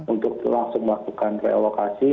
untuk langsung melakukan re elokasi